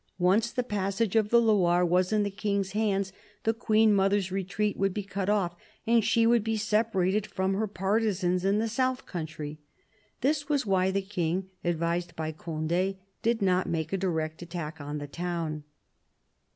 Once the passage of the Loire was in the King's hands, the Queen mother's retreat would be cut off and she would be separated from her partisans in the south country : this was why the King, advised by Conde, did not make a direct attack on the town.